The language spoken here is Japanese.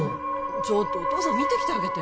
ちょっとお父さん見てきてあげて・